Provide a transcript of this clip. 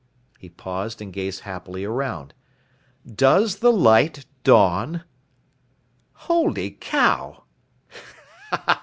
He paused and gazed happily around. "Does the light dawn?" "Holy cow!"